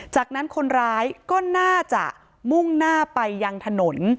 จากนั้นคนร้ายก็น่าจะมุ่งหน้าไปยังถนน